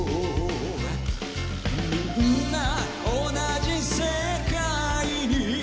「みんな同じ世界に」